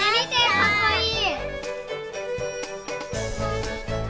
かっこいい！